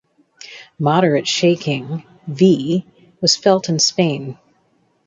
Moderate shaking (V) was felt in Spain.